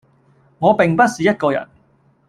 我並不是一個人